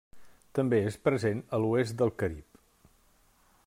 També és present a l'oest del Carib.